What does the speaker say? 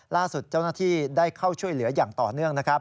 ล่าสุดเจ้าหน้าที่ได้เข้าช่วยเหลืออย่างต่อเนื่องนะครับ